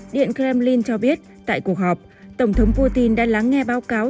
điện kremlin cho biết tại cuộc họp tổng thống putin đã lắng nghe báo cáo